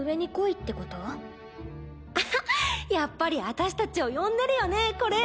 やっぱり私たちを呼んでるよねこれ。